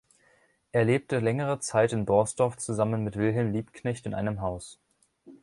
Er lebte längere Zeit in Borsdorf zusammen mit Wilhelm Liebknecht in einem Haus.